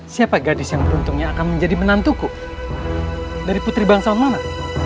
siapa gadis yang beruntungnya akan menjadi menantuku dari putri bangsawan